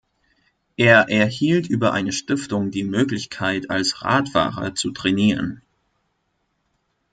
Er erhielt über eine Stiftung die Möglichkeit, als Radfahrer zu trainieren.